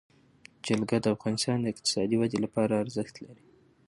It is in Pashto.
جلګه د افغانستان د اقتصادي ودې لپاره ارزښت لري.